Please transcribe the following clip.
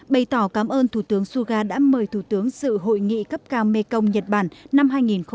bày tỏ cảm ơn thủ tướng suga đã mời thủ tướng sự hội nghị cấp cao mekong nhật bản năm hai nghìn hai mươi